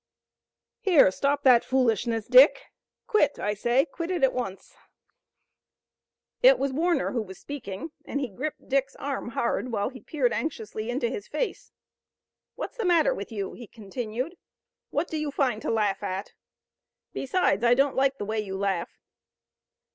"Here, stop that foolishness, Dick! Quit, I say, quit it at once!" It was Warner who was speaking, and he gripped Dick's arm hard, while he peered anxiously into his face. "What's the matter with you?" he continued. "What do you find to laugh at? Besides, I don't like the way you laugh."